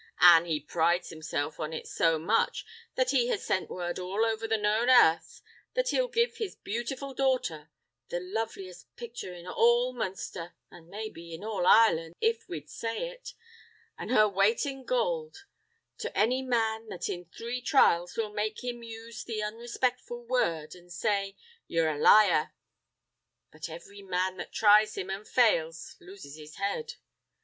An' he prides himself on it so much that he has sent word over all the known airth that he'll give his beautiful daughter—the loveliest picthur in all Munsther, an' maybe in all Irelan', if we'd say it—an' her weight in goold, to any man that in three trials will make him use the unrespectful word, an' say, 'Ye're a liar!' But every man that tries him, an' fails, loses his head.